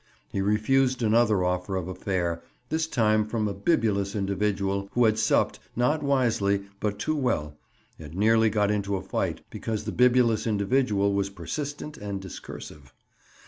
He refused another offer of a fare—this time from a bibulous individual who had supped, not wisely, but too well—and nearly got into a fight because the bibulous individual was persistent and discursive.